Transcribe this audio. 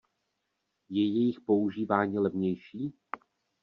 Je jejich používání levnější?